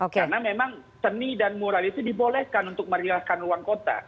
karena memang seni dan mural itu dibolehkan untuk merilaskan ruang kota